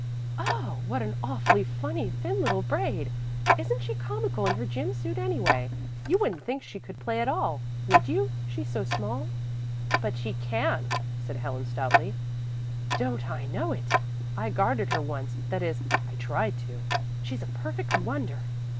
"Oh, what an awfully funny, thin little braid! Isn't she comical in her gym suit, anyway? You wouldn't think she could play at all, would you, she's so small." "But she can," said Helen stoutly. "Don't I know it? I guarded her once that is, I tried to. She's a perfect wonder.